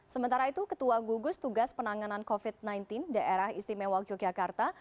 sementara itu ketua gugus tugas penanganan covid sembilan belas daerah istimewa yogyakarta